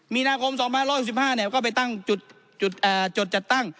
มีนาคมสองพันร้อยหกสิบห้าเนี้ยก็ไปตั้งจุดจุดเอ่อจดจัดตั้ง